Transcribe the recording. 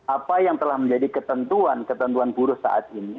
apa yang telah menjadi ketentuan ketentuan buruh saat ini